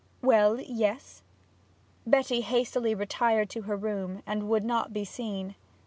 'Well, yes.' Betty hastily retired to her room, and would not be seen.